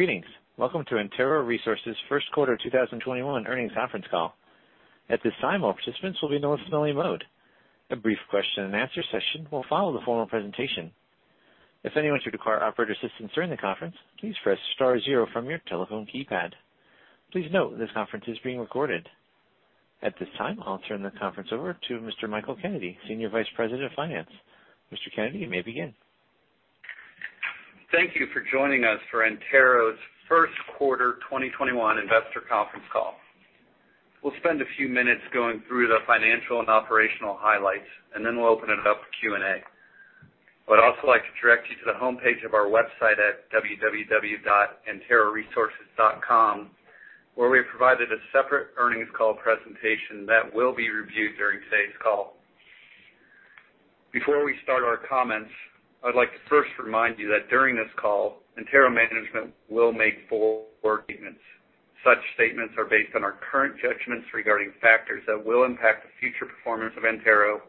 Greetings. Welcome to Antero Resources' first quarter 2021 earnings conference call. At this time, all participants will be in listen-only mode. A brief question and answer session will follow the formal presentation. If anyone should require operator assistance during the conference, please press star zero from your telephone keypad. Please note this conference is being recorded. At this time, I'll turn the conference over to Mr. Michael Kennedy, Senior Vice President of Finance. Mr. Kennedy, you may begin. Thank you for joining us for Antero's first quarter 2021 investor conference call. We'll spend a few minutes going through the financial and operational highlights, then we'll open it up for Q&A. I would also like to direct you to the homepage of our website at www.anteroresources.com, where we have provided a separate earnings call presentation that will be reviewed during today's call. Before we start our comments, I'd like to first remind you that during this call, Antero management will make forward statements. Such statements are based on our current judgments regarding factors that will impact the future performance of Antero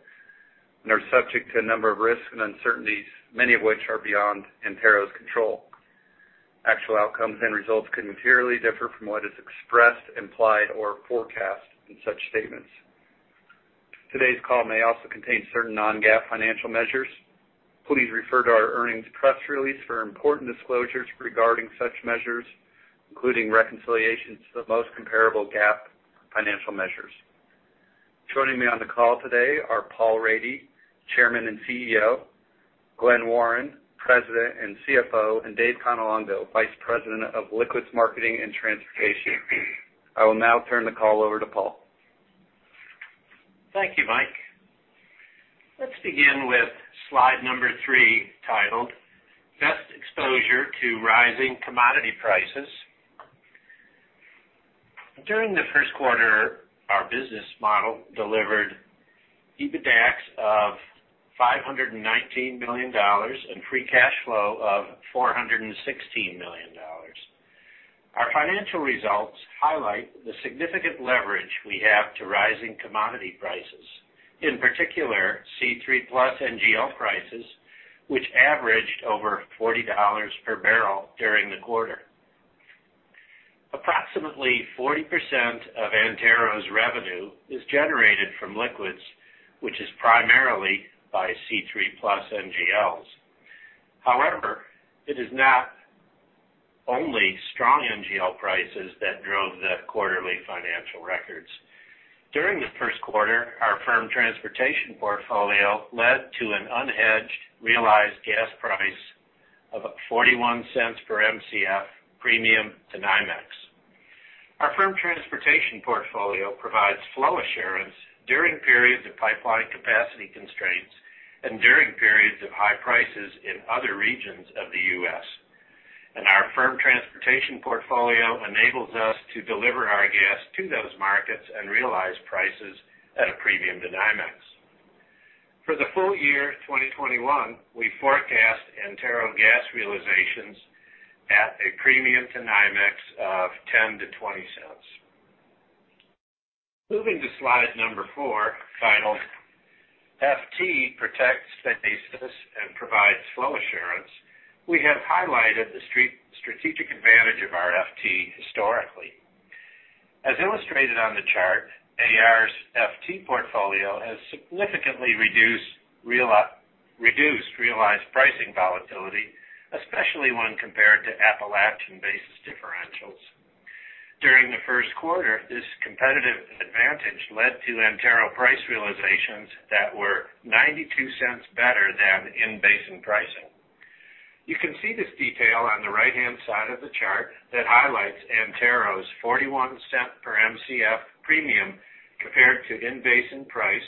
and are subject to a number of risks and uncertainties, many of which are beyond Antero's control. Actual outcomes and results can materially differ from what is expressed, implied, or forecast in such statements. Today's call may also contain certain non-GAAP financial measures. Please refer to our earnings press release for important disclosures regarding such measures, including reconciliations to the most comparable GAAP financial measures. Joining me on the call today are Paul Rady, Chairman and CEO, Glen Warren, President and CFO, and Dave Cannelongo, Vice President of Liquids Marketing and Transportation. I will now turn the call over to Paul. Thank you, Michael Kennedy. Let's begin with slide number three, titled Best Exposure to Rising Commodity Prices. During the first quarter, our business model delivered EBITDAX of $519 million and free cash flow of $416 million. Our financial results highlight the significant leverage we have to rising commodity prices, in particular, C3 plus NGL prices, which averaged over $40 per barrel during the quarter. Approximately 40% of Antero's revenue is generated from liquids, which is primarily by C3 plus NGLs. However, it is not only strong NGL prices that drove the quarterly financial records. During the first quarter, our firm transportation portfolio led to an unhedged realized gas price of $0.41 per Mcf premium to NYMEX. Our firm transportation portfolio provides flow assurance during periods of pipeline capacity constraints and during periods of high prices in other regions of the U.S. Our firm transportation portfolio enables us to deliver our gas to those markets and realize prices at a premium to NYMEX. For the full year 2021, we forecast Antero gas realizations at a premium to NYMEX of $0.10-$0.20. Moving to slide number four, titled FT Protects Basis and Provides Flow Assurance, we have highlighted the strategic advantage of our FT historically. As illustrated on the chart, AR's FT portfolio has significantly reduced realized pricing volatility, especially when compared to Appalachian basis differentials. During the first quarter, this competitive advantage led to Antero price realizations that were $0.92 better than in-basin pricing. You can see this detail on the right-hand side of the chart that highlights Antero's $0.41 per Mcf premium compared to the in-basin price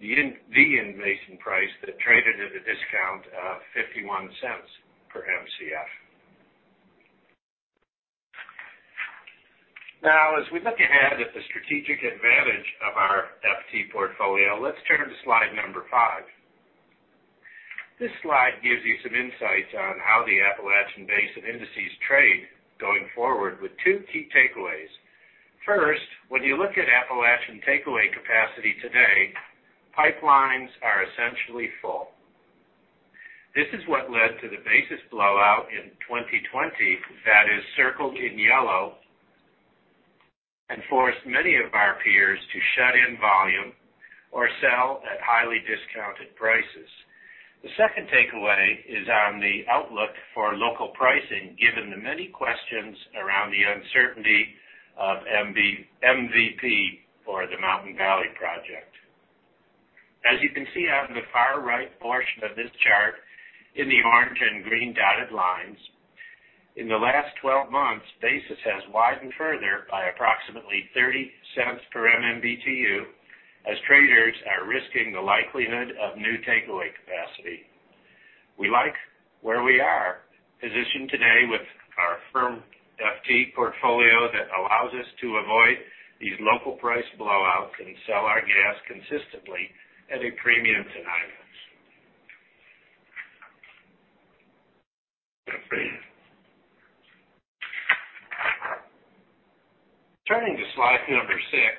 that traded at a discount of $0.51 per Mcf. As we look ahead at the strategic advantage of our FT portfolio, let's turn to slide number five. This slide gives you some insights on how the Appalachian Basin indices trade going forward with two key takeaways. First, when you look at Appalachian takeaway capacity today, pipelines are essentially full. This is what led to the basis blowout in 2020 that is circled in yellow and forced many of our peers to shut in volume or sell at highly discounted prices. The second takeaway is on the outlook for local pricing, given the many questions around the uncertainty of MVP or the Mountain Valley Project. As you can see on the far right portion of this chart in the orange and green dotted lines, in the last 12 months, basis has widened further by approximately $0.30 per MMBtu as traders are risking the likelihood of new takeaway capacity. We like where we are positioned today with our firm FT portfolio that allows us to avoid these local price blowouts and sell our gas consistently at a premium to NYMEX. Turning to slide number six,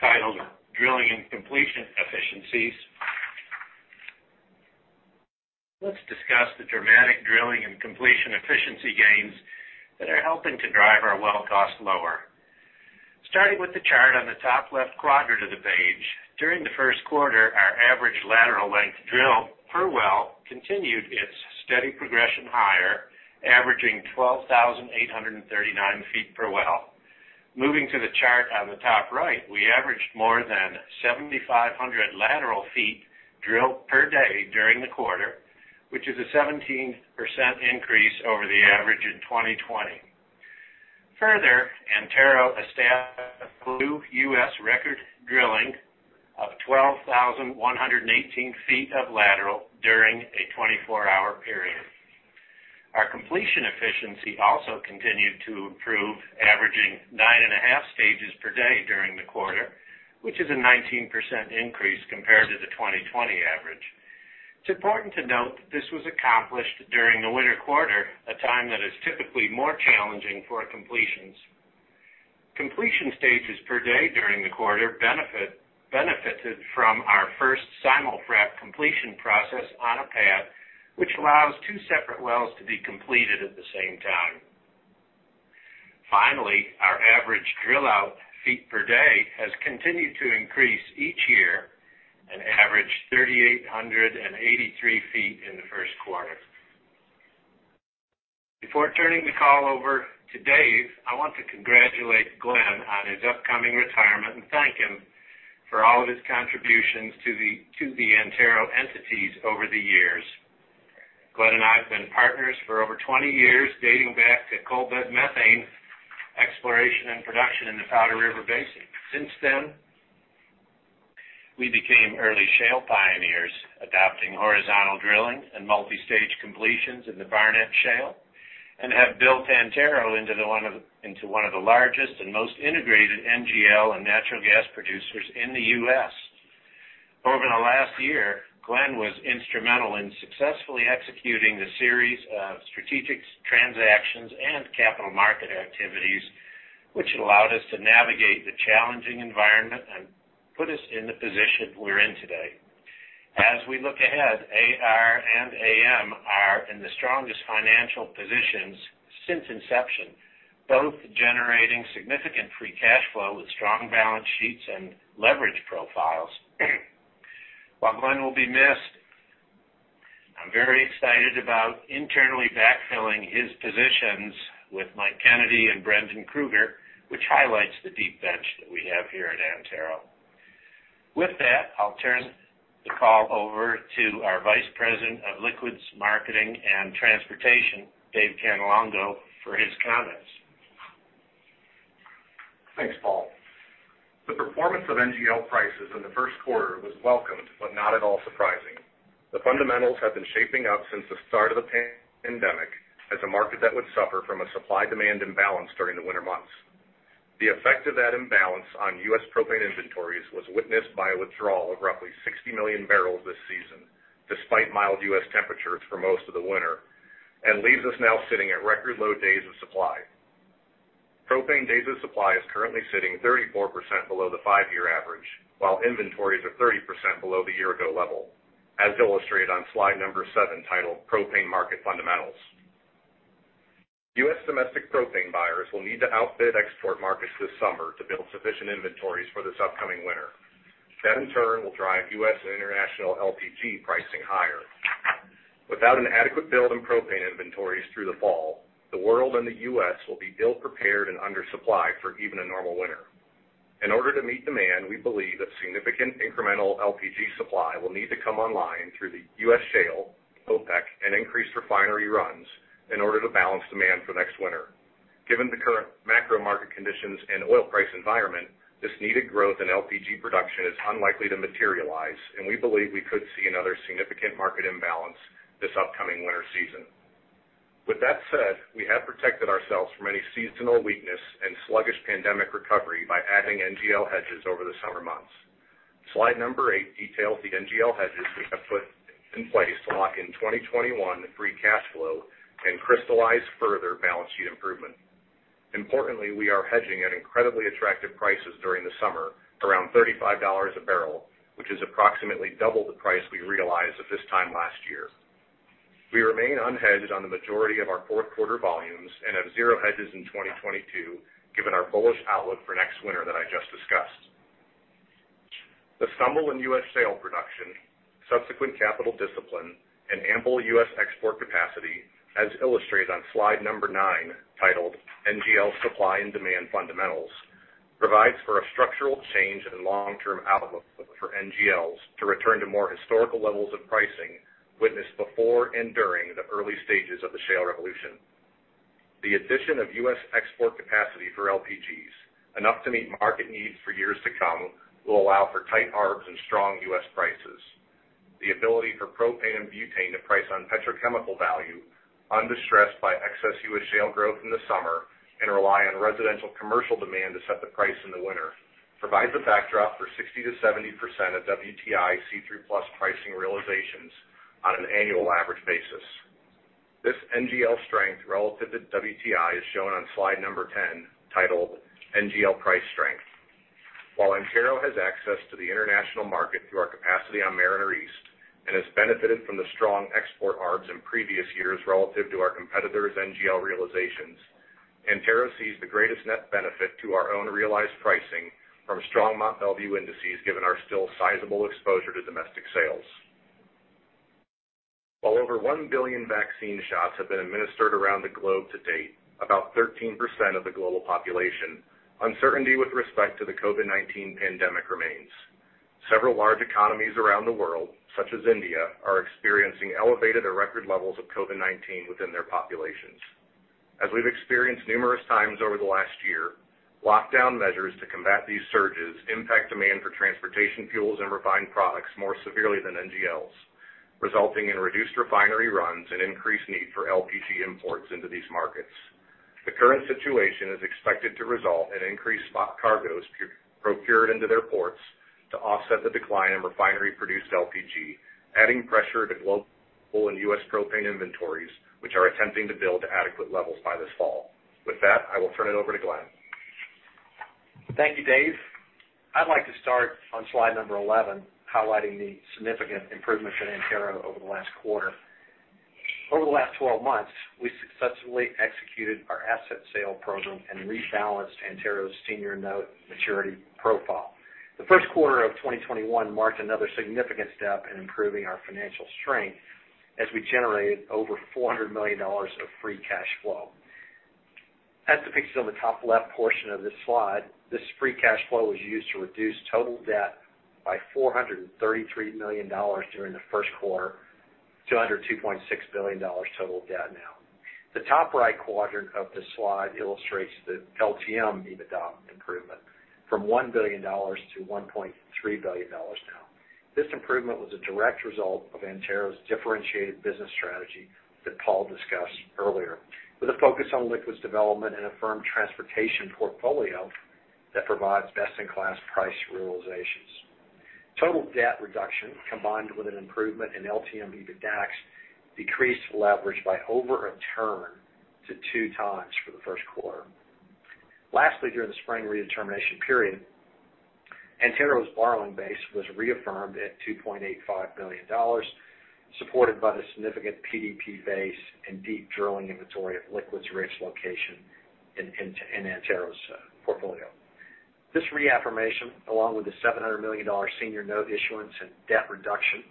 titled Drilling and Completion Efficiencies. Let's discuss the dramatic drilling and completion efficiency gains that are helping to drive our well cost lower. Starting with the chart on the top left quadrant of the page. During the first quarter, our average lateral length drill per well continued its steady progression higher, averaging 12,839 feet per well. Moving to the chart on the top right, we averaged more than 7,500 lateral feet drilled per day during the quarter, which is a 17% increase over the average in 2020. Further, Antero established a new U.S. record drilling of 12,118 feet of lateral during a 24-hour period. Our completion efficiency also continued to improve, averaging nine point five stages per day during the quarter, which is a 19% increase compared to the 2020 average. It's important to note that this was accomplished during the winter quarter, a time that is typically more challenging for completions. Completion stages per day during the quarter benefited from our first simul-frac completion process on a pad, which allows two separate wells to be completed at the same time. Finally, our average drill out feet per day has continued to increase each year and averaged 3,883 feet in the first quarter. Before turning the call over to Dave, I want to congratulate Glen on his upcoming retirement and thank him for all of his contributions to the Antero entities over the years. Glen and I have been partners for over 20 years, dating back to coalbed methane exploration and production in the Powder River Basin. Since then, we became early shale pioneers, adopting horizontal drilling and multi-stage completions in the Barnett Shale, and have built Antero into one of the largest and most integrated NGL and natural gas producers in the U.S. Over the last year, Glen was instrumental in successfully executing the series of strategic transactions and capital market activities, which allowed us to navigate the challenging environment and put us in the position we're in today. As we look ahead, AR and AM are in the strongest financial positions since inception, both generating significant free cash flow with strong balance sheets and leverage profiles. While Glen will be missed, I'm very excited about internally backfilling his positions with Mike Kennedy and Brendan Krueger, which highlights the deep bench that we have here at Antero. With that, I'll turn the call over to our Vice President of Liquids Marketing and Transportation, Dave Cannelongo, for his comments. Thanks, Paul. The performance of NGL prices in the first quarter was welcomed, but not at all surprising. The fundamentals have been shaping up since the start of the pandemic as a market that would suffer from a supply-demand imbalance during the winter months. The effect of that imbalance on U.S. propane inventories was witnessed by a withdrawal of roughly 60 million barrels this season, despite mild U.S. temperatures for most of the winter, and leaves us now sitting at record low days of supply. Propane days of supply is currently sitting 34% below the five-year average, while inventories are 30% below the year ago level, as illustrated on slide number seven, titled Propane Market Fundamentals. U.S. domestic propane buyers will need to outbid export markets this summer to build sufficient inventories for this upcoming winter. That in turn will drive U.S. and international LPG pricing higher. Without an adequate build in propane inventories through the fall, the world and the U.S. will be ill-prepared and undersupplied for even a normal winter. In order to meet demand, we believe that significant incremental LPG supply will need to come online through the U.S. shale, OPEC, and increased refinery runs in order to balance demand for next winter. Given the current macro market conditions and oil price environment, this needed growth in LPG production is unlikely to materialize, and we believe we could see another significant market imbalance this upcoming winter season. With that said, we have protected ourselves from any seasonal weakness and sluggish pandemic recovery by adding NGL hedges over the summer months. Slide number eight details the NGL hedges we have put in place to lock in 2021 free cash flow and crystallize further balance sheet improvement. We are hedging at incredibly attractive prices during the summer, around $35 a barrel, which is approximately double the price we realized at this time last year. We remain unhedged on the majority of our fourth quarter volumes and have zero hedges in 2022, given our bullish outlook for next winter that I just discussed. The stumble in U.S. shale production, subsequent capital discipline, and ample U.S. export capacity, as illustrated on slide number nine, titled NGL Supply and Demand Fundamentals, provides for a structural change in long-term outlook for NGLs to return to more historical levels of pricing witnessed before and during the early stages of the shale revolution. The addition of U.S. export capacity for LPGs, enough to meet market needs for years to come, will allow for tight ARBs and strong U.S. prices. The ability for propane and butane to price on petrochemical value, undress by excess U.S. shale growth in the summer and rely on residential commercial demand to set the price in the winter, provides a backdrop for 60% to 70% of WTI C3 plus pricing realizations on an annual average basis. This NGL strength relative to WTI is shown on slide number 10, titled NGL Price Strength. While Antero has access to the international market through our capacity on Mariner East and has benefited from the strong export ARBs in previous years relative to our competitors' NGL realizations, Antero sees the greatest net benefit to our own realized pricing from strong Mont Belvieu indices, given our still sizable exposure to domestic sales. While over 1 billion vaccine shots have been administered around the globe to date, about 13% of the global population, uncertainty with respect to the COVID-19 pandemic remains. Several large economies around the world, such as India, are experiencing elevated or record levels of COVID-19 within their populations. As we've experienced numerous times over the last year, lockdown measures to combat these surges impact demand for transportation fuels and refined products more severely than NGLs, resulting in reduced refinery runs and increased need for LPG imports into these markets. The current situation is expected to result in increased spot cargoes procured into their ports to offset the decline in refinery-produced LPG, adding pressure to global and U.S. propane inventories, which are attempting to build to adequate levels by this fall. With that, I will turn it over to Glen. Thank you, Dave. I'd like to start on slide number 11, highlighting the significant improvements in Antero over the last quarter. Over the last 12 months, we successfully executed our asset sale program and rebalanced Antero's senior note maturity profile. The first quarter of 2021 marked another significant step in improving our financial strength as we generated over $400 million of free cash flow. As depicted on the top left portion of this slide, this free cash flow was used to reduce total debt by $433 million during the first quarter to under $2.6 billion total debt now. The top right quadrant of this slide illustrates the LTM EBITDA improvement from $1 billion to $1.3 billion now. This improvement was a direct result of Antero's differentiated business strategy that Paul discussed earlier, with a focus on liquids development and a firm transportation portfolio that provides best-in-class price realizations. Total debt reduction, combined with an improvement in LTM EBITDAX, decreased leverage by over a turn to two times for the first quarter. Lastly, during the spring redetermination period, Antero's borrowing base was reaffirmed at $2.85 billion, supported by the significant PDP base and deep drilling inventory of liquids-rich location in Antero's portfolio. This reaffirmation, along with the $700 million senior note issuance and debt reduction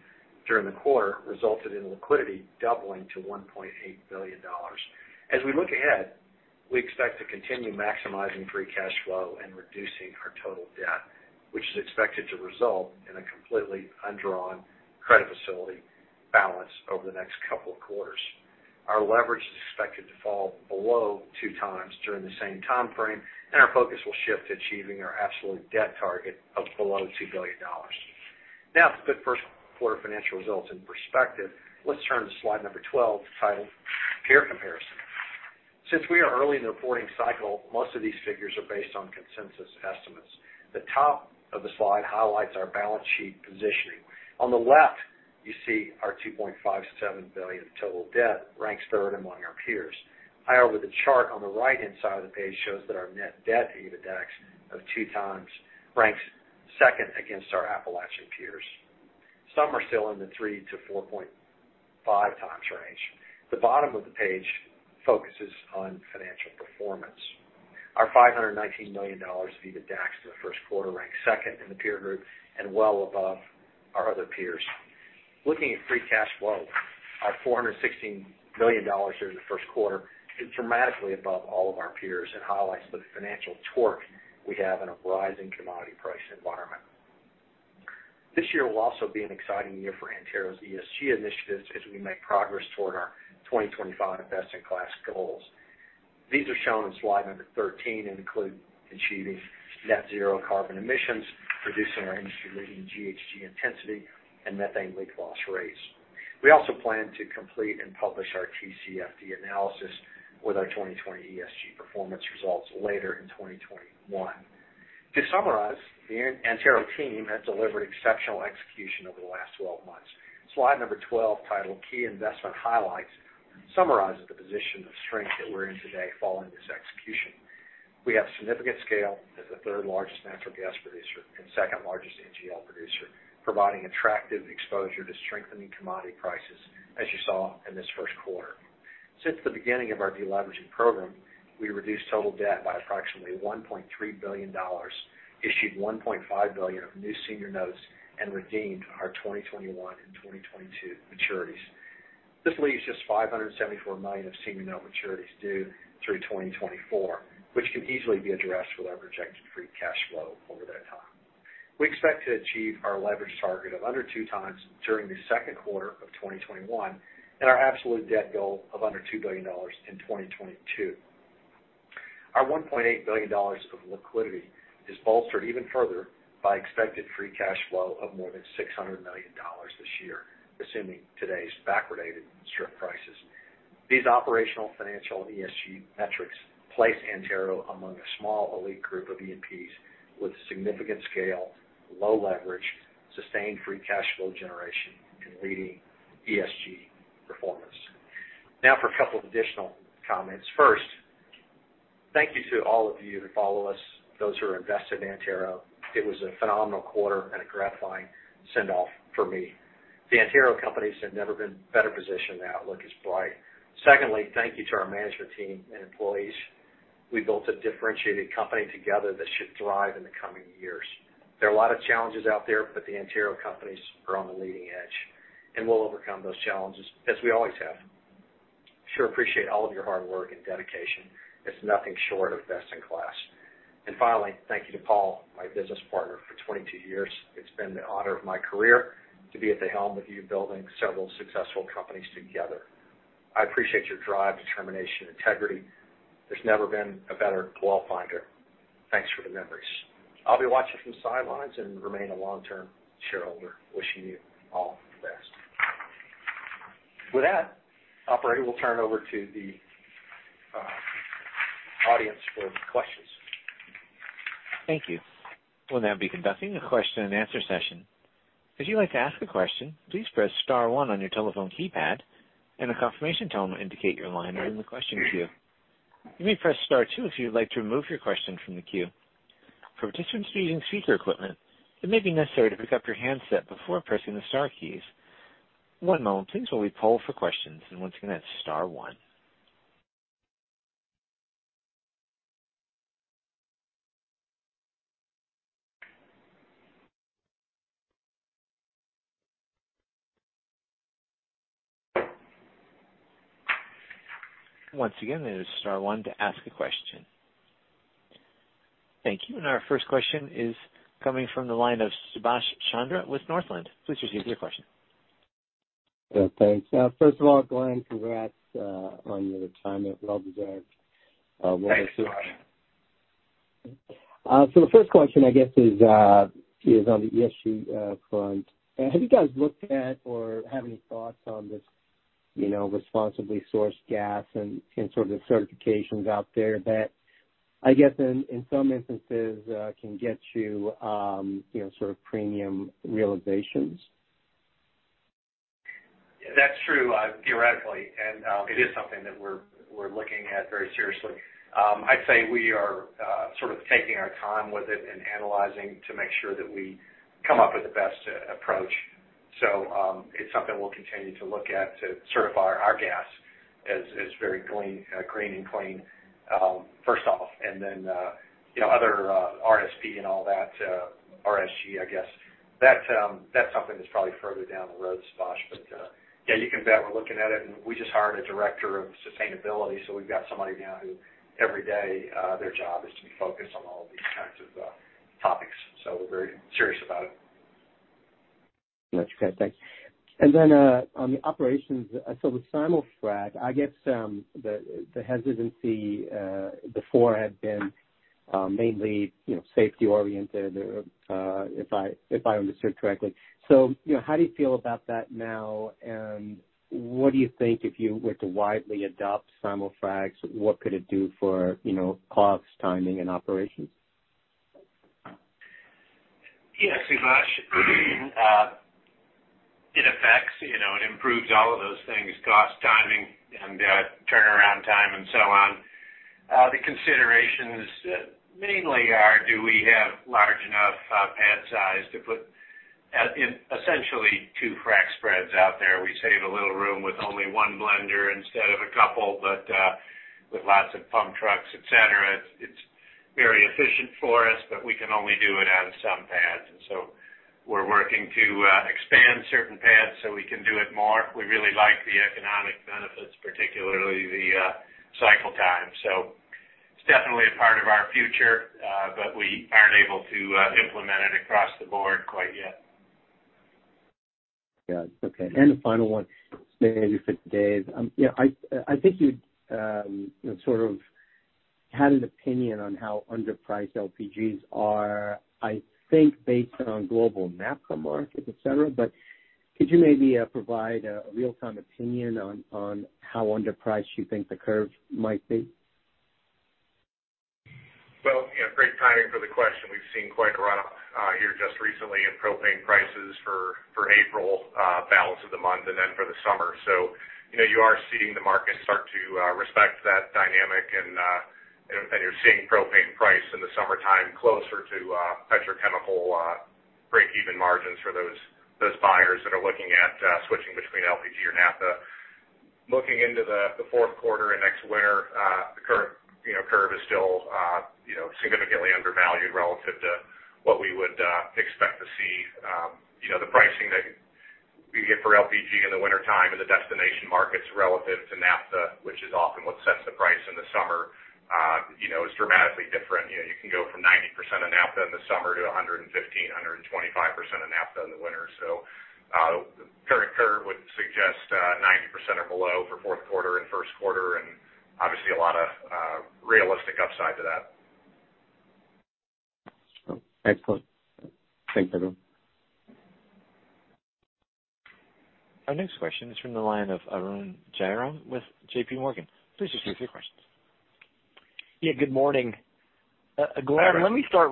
during the quarter, resulted in liquidity doubling to $1.8 billion. As we look ahead, we expect to continue maximizing free cash flow and reducing our total debt, which is expected to result in a completely undrawn credit facility balance over the next couple of quarters. Our leverage is expected to fall below two times during the same time frame, and our focus will shift to achieving our absolute debt target of below $2 billion. Now to put first quarter financial results in perspective, let's turn to slide number 12, titled Peer Comparison. Since we are early in the reporting cycle, most of these figures are based on consensus estimates. The top of the slide highlights our balance sheet positioning. On the left, you see our $2.57 billion total debt ranks third among our peers. However, the chart on the right-hand side of the page shows that our net debt EBITDAX of two times ranks second against our Appalachian peers. Some are still in the three to four point five times range. The bottom of the page focuses on financial performance. Our $519 million of EBITDAX in the first quarter ranks second in the peer group and well above our other peers. Looking at free cash flow, our $416 million during the first quarter is dramatically above all of our peers and highlights the financial torque we have in a rising commodity price environment. This year will also be an exciting year for Antero's ESG initiatives as we make progress toward our 2025 best-in-class goals. These are shown in slide number 13 and include achieving net zero carbon emissions, reducing our industry-leading GHG intensity and methane leak loss rates. We also plan to complete and publish our TCFD analysis with our 2020 ESG performance results later in 2021. To summarize, the Antero team has delivered exceptional execution over the last 12 months. Slide number 12, titled Key Investment Highlights, summarizes the position of strength that we're in today following this execution. We have significant scale as the third largest natural gas producer and second largest NGL producer, providing attractive exposure to strengthening commodity prices, as you saw in this first quarter. Since the beginning of our deleveraging program, we reduced total debt by approximately $1.3 billion, issued $1.5 billion of new senior notes, and redeemed our 2021 and 2022 maturities. This leaves just $574 million of senior note maturities due through 2024, which can easily be addressed with our projected free cash flow over that time. We expect to achieve our leverage target of under two times during the second quarter of 2021 and our absolute debt goal of under $2 billion in 2022. Our $1.8 billion of liquidity is bolstered even further by expected free cash flow of more than $600 million this year, assuming today's backwardated strip prices. These operational, financial, and ESG metrics place Antero among a small elite group of E&Ps with significant scale, low leverage-Sustained free cash flow generation and leading ESG performance. For a couple of additional comments. First, thank you to all of you who follow us, those who are invested in Antero. It was a phenomenal quarter and a gratifying sendoff for me. The Antero companies have never been better positioned. The outlook is bright. Secondly, thank you to our management team and employees. We built a differentiated company together that should thrive in the coming years. There are a lot of challenges out there, but the Antero companies are on the leading edge, and we'll overcome those challenges as we always have. I sure appreciate all of your hard work and dedication. It's nothing short of best in class. Finally, thank you to Paul, my business partner for 22 years. It's been the honor of my career to be at the helm with you building several successful companies together. I appreciate your drive, determination, integrity. There's never been a better goal finder. Thanks for the memories. I'll be watching from the sidelines and remain a long-term shareholder. Wishing you all the best. With that, operator, we'll turn over to the audience for questions. Thank you. Thank you. Our first question is coming from the line of Subhash Chandra with Northland. Please proceed with your question. Yeah, thanks. First of all, Glen, congrats on your retirement. Well deserved. Thanks. The first question, I guess, is on the ESG front. Have you guys looked at or have any thoughts on this responsibly sourced gas and sort of the certifications out there that, I guess in some instances can get you sort of premium realizations? That's true, theoretically. It is something that we're looking at very seriously. I'd say we are sort of taking our time with it and analyzing to make sure that we come up with the best approach. It's something we'll continue to look at to certify our gas as very green and clean, first off. Other RSG and all that, RSG, I guess. That's something that's probably further down the road, Subhash. Yeah, you can bet we're looking at it. We just hired a director of sustainability, so we've got somebody now who every day their job is to be focused on all of these kinds of topics. We're very serious about it. Much. Okay, thanks. On the operations. With simul-frac, I guess the hesitancy before had been mainly safety oriented, if I understood correctly. How do you feel about that now? What do you think if you were to widely adopt simul-fracs, what could it do for costs, timing, and operations? Yeah, Subhash, it improves all of those things, cost, timing, and turnaround time, and so on. The considerations mainly are, do we have large enough pad size to put essentially two frac spreads out there? We save a little room with only one blender instead of a couple, but with lots of pump trucks, et cetera. It's very efficient for us, we can only do it on some pads. We're working to expand certain pads so we can do it more. We really like the economic benefits, particularly the cycle time. It's definitely a part of our future, but we aren't able to implement it across the board quite yet. Yeah. Okay. The final one, maybe for Dave. I think you'd sort of had an opinion on how underpriced LPGs are, I think based on global naphtha markets, et cetera. Could you maybe provide a real-time opinion on how underpriced you think the curve might be? Well, great timing for the question. We've seen quite a run-up here just recently in propane prices for April, balance of the month, and then for the summer. You are seeing the market start to respect that dynamic, and you're seeing propane price in the summertime closer to petrochemical breakeven margins for those buyers that are looking at switching between LPG or naphtha. Looking into the fourth quarter and next winter, the current curve is still significantly undervalued relative to what we would expect to see. The pricing that you get for LPG in the wintertime and the destination markets relative to naphtha, which is often what sets the price in the summer, is dramatically different. You can go from 90% of naphtha in the summer to 115% to 125% of naphtha in the winter. The current curve would suggest 90% or below for fourth quarter and first quarter, and obviously a lot of realistic upside to that. Excellent. Thanks, everyone. Our next question is from the line of Arun Jayaram with JPMorgan. Please proceed with your questions. Yeah. Good morning. Hi, Arun. Glen, let me start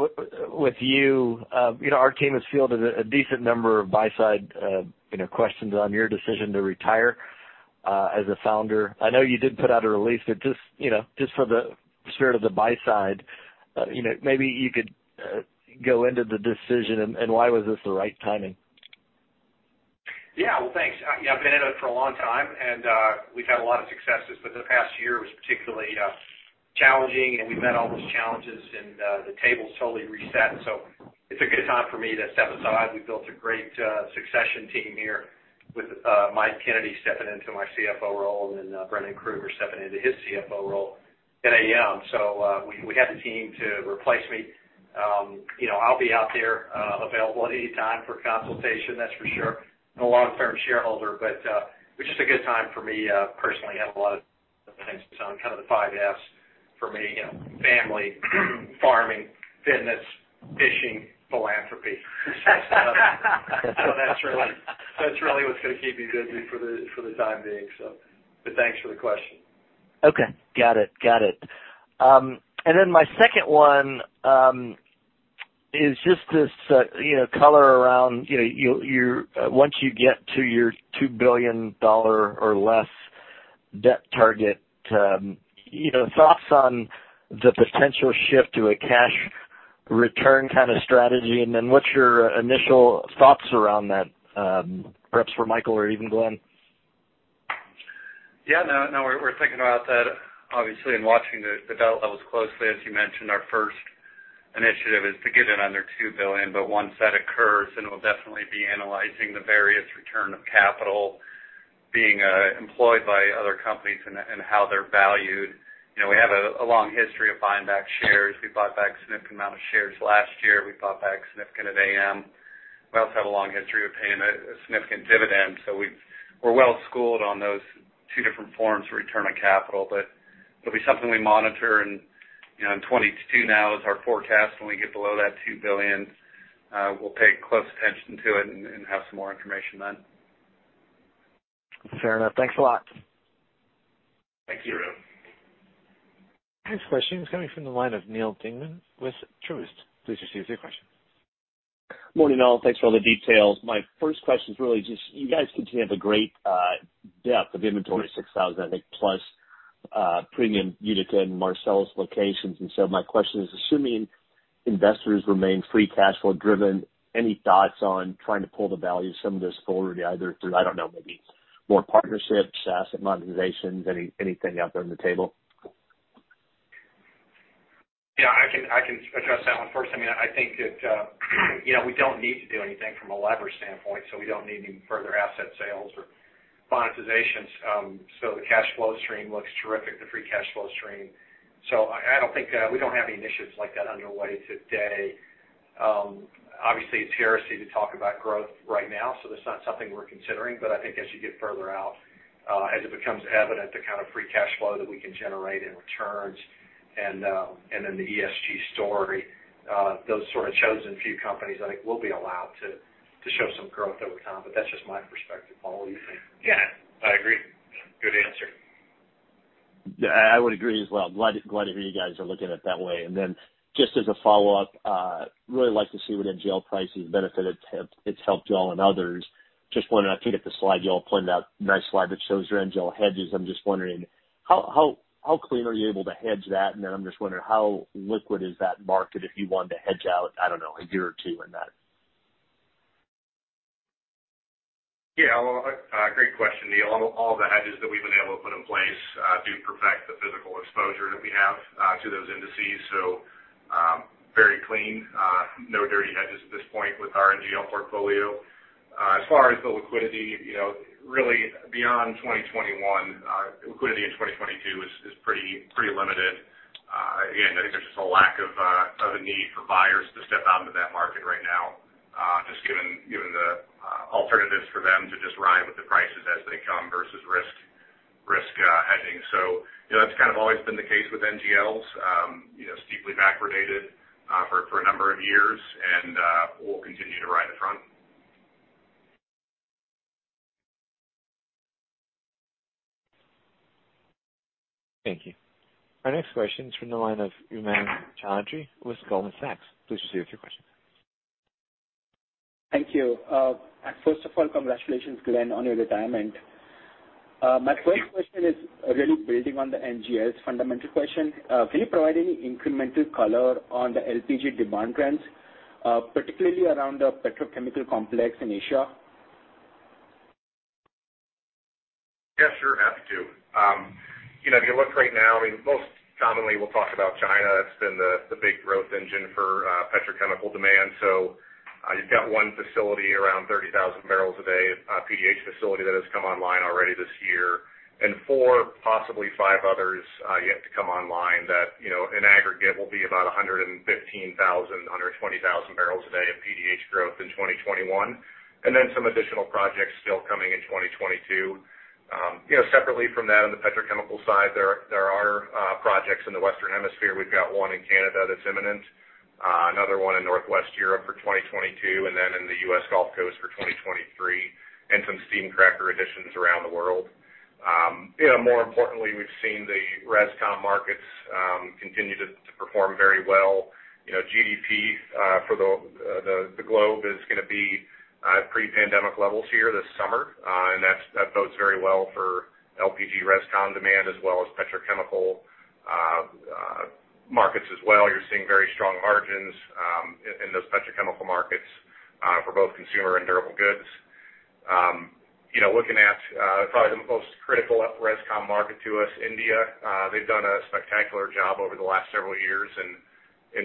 with you. Our team has fielded a decent number of buy-side questions on your decision to retire as a founder. I know you did put out a release, but just for the spirit of the buy side, maybe you could go into the decision. Why was this the right timing? Well, thanks. I've been at it for a long time, and we've had a lot of successes, but the past year was particularly challenging, and we met all those challenges and the table's totally reset. It's a good time for me to step aside. We've built a great succession team here with Michael Kennedy stepping into my CFO role and then Brendan Krueger stepping into his CFO role at AM. We have the team to replace me. I'll be out there available at any time for consultation, that's for sure, and a long-term shareholder. It's just a good time for me personally. I have a lot of things on kind of the five Fs for me, family, farming, fitness, fishing, philanthropy. That's really what's going to keep me busy for the time being. Thanks for the question. Okay. Got it. My second one is just this color around once you get to your $2 billion or less debt target, thoughts on the potential shift to a cash return kind of strategy, what's your initial thoughts around that? Perhaps for Michael or even Glen. Yeah, no, we're thinking about that, obviously, and watching the debt levels closely. As you mentioned, our first initiative is to get it under $2 billion. Once that occurs, we'll definitely be analyzing the various return of capital being employed by other companies and how they're valued. We have a long history of buying back shares. We bought back a significant amount of shares last year. We bought back significant at Antero Midstream. We also have a long history of paying a significant dividend. We're well-schooled on those two different forms of return of capital. It'll be something we monitor in 2022 now as our forecast. When we get below that $2 billion, we'll pay close attention to it and have some more information then. Fair enough. Thanks a lot. Thanks. Next question is coming from the line of Neal Dingmann with Truist. Please proceed with your question. Morning, all. Thanks for all the details. My first question is really just you guys continue to have a great depth of inventory, 6,000, I think, plus premium Utica and Marcellus locations. My question is, assuming investors remain free cash flow driven, any thoughts on trying to pull the value of some of this forward, either through, I don't know, maybe more partnerships, asset monetizations, anything out there on the table? Yeah, I can address that one first. I think that we don't need to do anything from a leverage standpoint, so we don't need any further asset sales or monetizations. The cash flow stream looks terrific, the free cash flow stream. I don't think we have any initiatives like that underway today. Obviously, it's heresy to talk about growth right now, so that's not something we're considering. I think as you get further out, as it becomes evident the kind of free cash flow that we can generate in returns and then the ESG story, those sort of chosen few companies, I think, will be allowed to show some growth over time. That's just my perspective. Paul, what do you think? Yeah, I agree. Good answer. Yeah, I would agree as well. I'm glad to hear you guys are looking at it that way. Then just as a follow-up, really like to see what NGL pricing's benefited. It's helped you all and others. I think that the slide y'all pointed out, nice slide that shows your NGL hedges. I'm just wondering how clean are you able to hedge that? Then I'm just wondering how liquid is that market if you wanted to hedge out, I don't know, a year or two in that? Great question, Neal. All the hedges that we've been able to put in place do perfect the physical exposure that we have to those indices. Very clean. No dirty hedges at this point with our NGL portfolio. As far as the liquidity, really beyond 2021, liquidity in 2022 is pretty limited. Again, I think there's just a lack of a need for buyers to step out into that market right now, just given the alternatives for them to just ride with the prices as they come versus risk hedging. That's kind of always been the case with NGLs. Steeply backwardated for a number of years, we'll continue to ride the front. Thank you. Our next question is from the line of Umang Choudhary with Goldman Sachs. Please proceed with your question. Thank you. First of all, congratulations, Glenn, on your retirement. My first question is really building on the NGL's fundamental question. Can you provide any incremental color on the LPG demand trends, particularly around the petrochemical complex in Asia? Yeah, sure. Happy to. If you look right now, most commonly, we'll talk about China. It's been the big growth engine for petrochemical demand. You've got one facility around 30,000 barrels a day, a PDH facility that has come online already this year, and four, possibly five others yet to come online that in aggregate will be about 115,000 barrels a day-120,000 barrels a day of PDH growth in 2021, and then some additional projects still coming in 2022. Separately from that, on the petrochemical side, there are projects in the Western Hemisphere. We've got one in Canada that's imminent, another one in Northwest Europe for 2022, and then in the U.S. Gulf Coast for 2023, and some steam cracker additions around the world. More importantly, we've seen the res/com markets continue to perform very well. GDP for the globe is going to be at pre-pandemic levels here this summer, and that bodes very well for LPG res/com demand as well as petrochemical markets as well. You're seeing very strong margins in those petrochemical markets for both consumer and durable goods. Looking at probably the most critical res/com market to us, India, they've done a spectacular job over the last several years in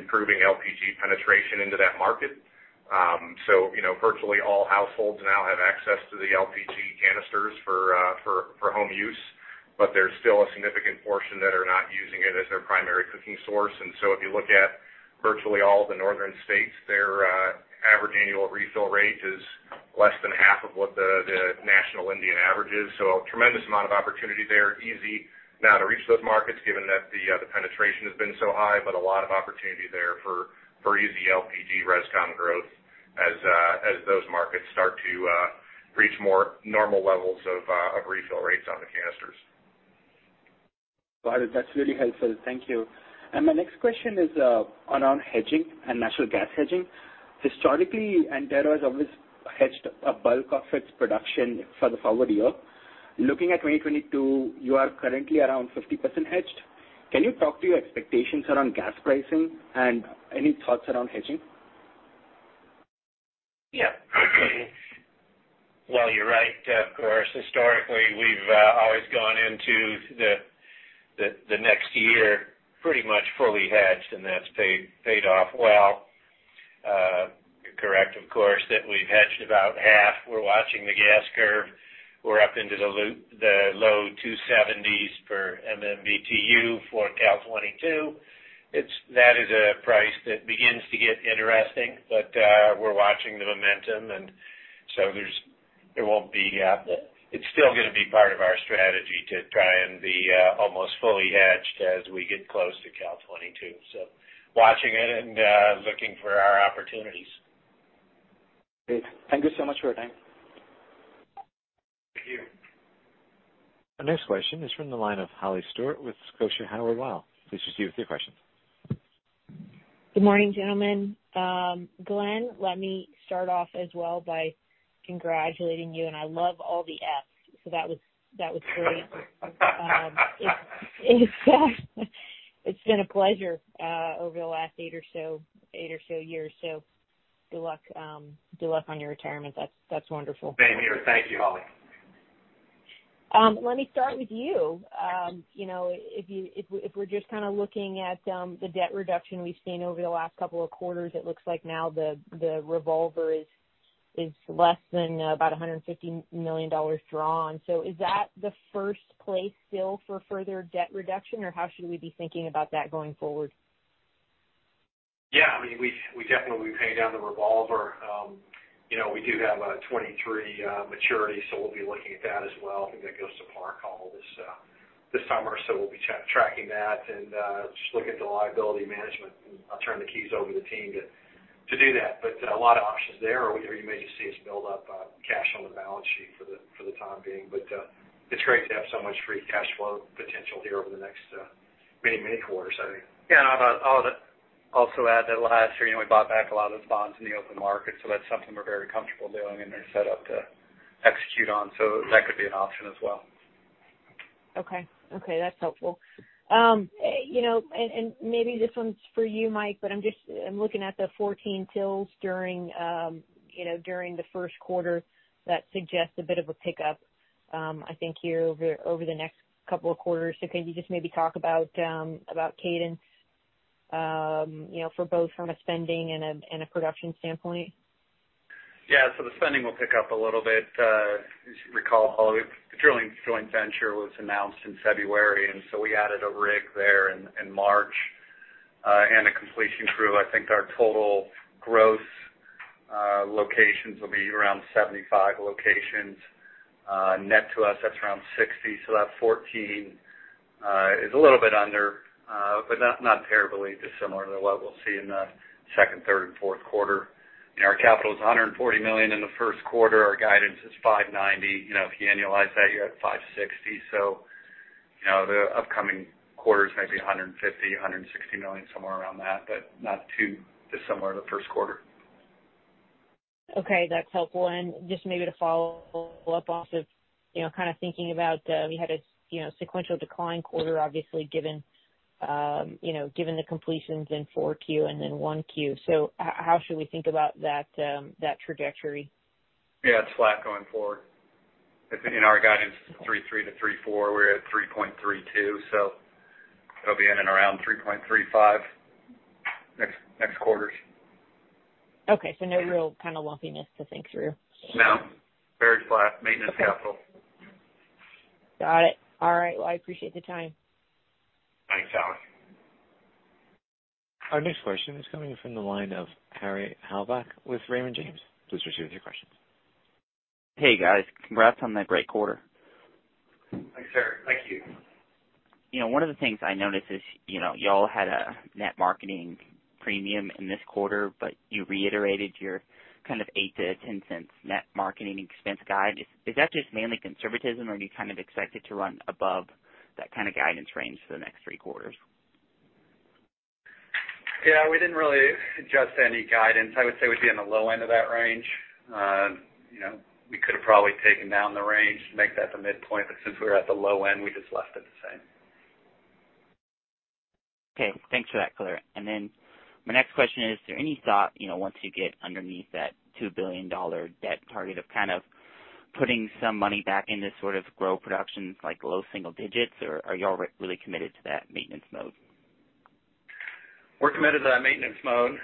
improving LPG penetration into that market. Virtually all households now have access to the LPG canisters for home use, but there's still a significant portion that are not using it as their primary cooking source. If you look at virtually all the northern states, their average annual refill rate is less than half of what the national Indian average is. A tremendous amount of opportunity there. Easy now to reach those markets given that the penetration has been so high, but a lot of opportunity there for easy LPG res-com growth as those markets start to reach more normal levels of refill rates on the canisters. Got it. That's really helpful. Thank you. My next question is around hedging and natural gas hedging. Historically, Antero has always hedged a bulk of its production for the forward year. Looking at 2022, you are currently around 50% hedged. Can you talk to your expectations around gas pricing and any thoughts around hedging? You're right, of course. Historically, we've always gone into the next year pretty much fully hedged, that's paid off well. You're correct, of course, that we've hedged about half. We're watching the gas curve. We're up into the low 270s per MMBtu for Cal '22. That is a price that begins to get interesting. We're watching the momentum, it's still going to be part of our strategy to try and be almost fully hedged as we get close to Cal '22. Watching it and looking for our opportunities. Great. Thank you so much for your time. Thank you. Our next question is from the line of Holly Stewart with Scotia Howard Weil. Please proceed with your question. Good morning, gentlemen. Glen Warren, let me start off as well by congratulating you, and I love all the Fs. That was great. It's been a pleasure over the last eight or so years. Good luck on your retirement. That's wonderful. Same here. Thank you, Holly. Let me start with you. If we're just looking at the debt reduction we've seen over the last couple of quarters, it looks like now the revolver is less than about $150 million drawn. Is that the first place still for further debt reduction? How should we be thinking about that going forward? Yeah, we definitely will be paying down the revolver. We do have a 2023 maturity, so we'll be looking at that as well. I think that goes to par call this summer. We'll be tracking that and just looking at the liability management. I'll turn the keys over to the team to do that. A lot of options there. You may just see us build up cash on the balance sheet for the time being. It's great to have so much free cash flow potential here over the next many quarters, I think. I'll also add that last year, we bought back a lot of those bonds in the open market, that's something we're very comfortable doing and are set up to execute on. That could be an option as well. Okay. That's helpful. Maybe this one's for you, Mike. I'm looking at the 14 fills during the first quarter. That suggests a bit of a pickup, I think, here over the next couple of quarters. Could you just maybe talk about cadence from both from a spending and a production standpoint? The spending will pick up a little bit. As you recall, Holly, the drilling joint venture was announced in February, and so we added a rig there in March and a completion crew. I think our total gross locations will be around 75 locations. Net to us, that's around 60. That 14 is a little bit under, but not terribly dissimilar to what we'll see in the second, third, and fourth quarter. Our capital is $140 million in the first quarter. Our guidance is $590 million. If you annualize that, you're at $560 million. The upcoming quarters may be $150 million, $160 million, somewhere around that, but not too dissimilar to the first quarter. Okay, that's helpful. Just maybe to follow up off of thinking about we had a sequential decline quarter, obviously, given the completions in 4Q and then 1Q. How should we think about that trajectory? Yeah, it's flat going forward. In our guidance, it's three three to three four. We're at three point three two, so it'll be in and around three point three five next quarters. Okay, no real kind of lumpiness to think through. No. Very flat maintenance capital. Got it. All right. Well, I appreciate the time. Thanks, Holly. Our next question is coming from the line of Harry Halbach with Raymond James. Please proceed with your questions. Hey, guys. Congrats on that great quarter. Thanks, sir. Thank you. One of the things I noticed is you all had a net marketing premium in this quarter. You reiterated your kind of $0.08-$0.10 net marketing expense guide. Is that just mainly conservatism? Do you kind of expect it to run above that kind of guidance range for the next three quarters? Yeah, we didn't really adjust any guidance. I would say we'd be on the low end of that range. We could have probably taken down the range to make that the midpoint, but since we were at the low end, we just left it the same. Okay. Thanks for that clarity. My next question is there any thought, once you get underneath that $2 billion debt target of kind of putting some money back into sort of grow productions like low single digits, or are you all really committed to that maintenance mode? We're committed to that maintenance mode.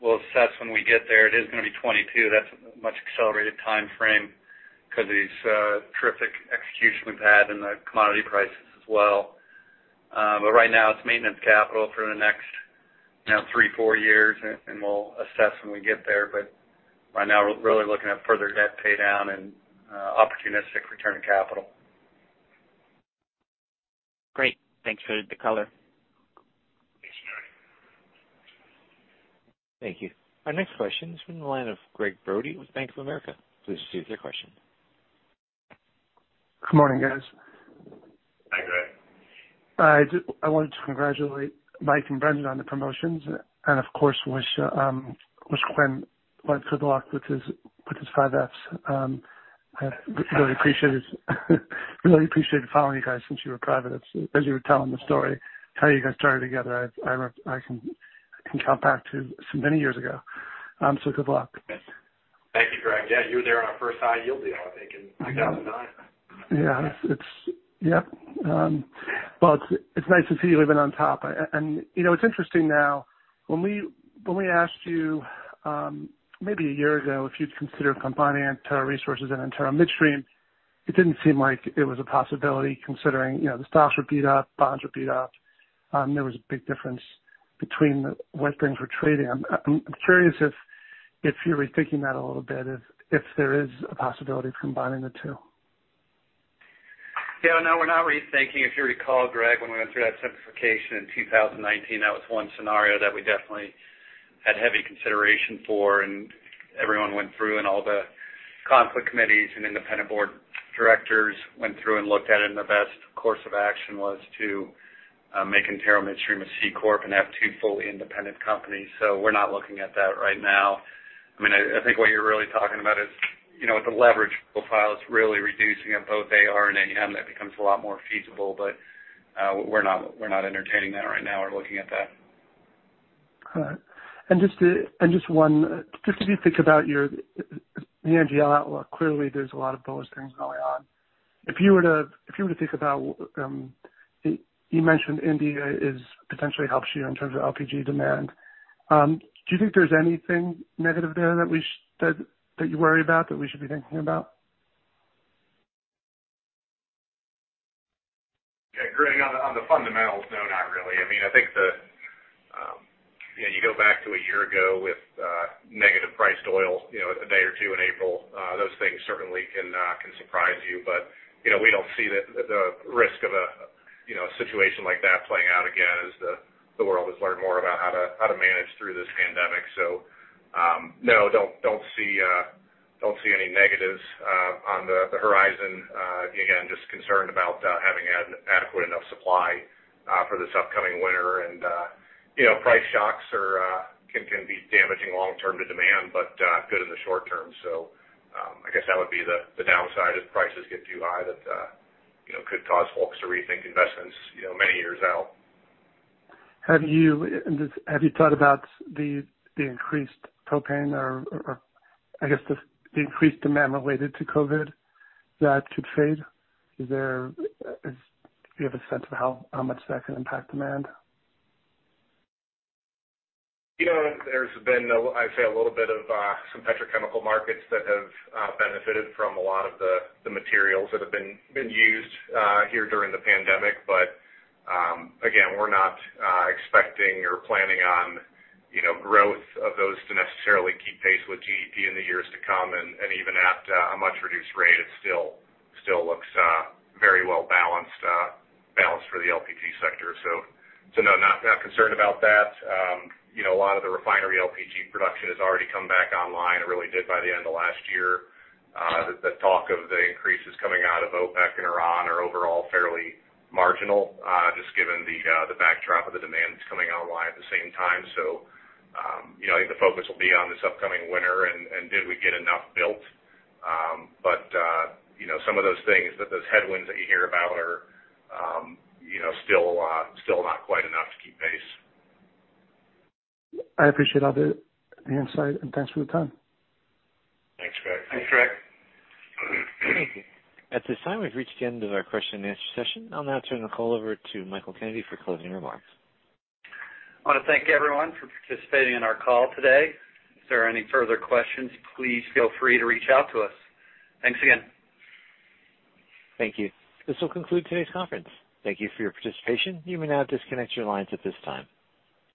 We'll assess when we get there. It is going to be 2022. That's a much accelerated timeframe because of these terrific execution we've had and the commodity prices as well. Right now it's maintenance capital for the next three, four years, and we'll assess when we get there. Right now we're really looking at further debt pay down and opportunistic return of capital. Great. Thanks for the color. Thanks, John. Thank you. Our next question is from the line of Doug Leggate with Bank of America. Please proceed with your question. Good morning, guys. Hi, I wanted to congratulate Michael Kennedy and Brendan Krueger on the promotions and of course wish Glen Warren good luck with his five Fs. I really appreciated following you guys since you were private. As you were telling the story, how you guys started together. I can count back to so many years ago. Good luck. Thank you, Doug Leggate. Yeah, you were there on our first high yield deal, I think in 2009. Yeah. Well, it's nice to see you even on top. It's interesting now. When we asked you maybe a year ago if you'd consider combining Antero Resources and Antero Midstream, it didn't seem like it was a possibility considering the stocks were beat up, bonds were beat up. There was a big difference between what things were trading. I'm curious if you're rethinking that a little bit, if there is a possibility of combining the two. Yeah, no, we're not rethinking. If you recall, Doug, when we went through that simplification in 2019, that was one scenario that we definitely had heavy consideration for, and everyone went through and all the conflict committees and independent board directors went through and looked at it. The best course of action was to make Antero Midstream a C corp and have two fully independent companies. We're not looking at that right now. I think what you're really talking about is the leverage profile is really reducing at both AR and AM. That becomes a lot more feasible. We're not entertaining that right now or looking at that. All right. Just as you think about the energy outlook, clearly there's a lot of bullish things going on. You mentioned India potentially helps you in terms of LPG demand. Do you think there's anything negative there that you worry about that we should be thinking about? Greg, on the fundamentals, no, not really. I think that you go back to a year ago with negative priced oil a day or two in April. Those things certainly can surprise you. We don't see the risk of a situation like that playing out again as the world has learned more about how to manage through this pandemic. No, don't see any negatives on the horizon. Again, just concerned about having adequate enough supply for this upcoming winter. Price shocks can be damaging long term to demand, but good in the short term. I guess that would be the downside if prices get too high that could cause folks to rethink investments many years out. Have you thought about the increased propane or I guess the increased demand related to COVID that could fade? Do you have a sense of how much that could impact demand? There's been, I'd say a little bit of some petrochemical markets that have benefited from a lot of the materials that have been used here during the pandemic. Again, we're not expecting or planning on growth of those to necessarily keep pace with GDP in the years to come. Even at a much-reduced rate, it still looks very well balanced for the LPG sector. No, not concerned about that. A lot of the refinery LPG production has already come back online. It really did by the end of last year. The talk of the increases coming out of OPEC and Iran are overall fairly marginal just given the backdrop of the demand that's coming online at the same time. I think the focus will be on this upcoming winter and did we get enough built. Some of those things that those headwinds that you hear about are still not quite enough to keep pace. I appreciate all the insight and thanks for your time. Thanks, Doug Leggate. At this time, we've reached the end of our question and answer session. I'll now turn the call over to Michael Kennedy for closing remarks. I want to thank everyone for participating in our call today. If there are any further questions, please feel free to reach out to us. Thanks again. Thank you. This will conclude today's conference. Thank you for your participation. You may now disconnect your lines at this time.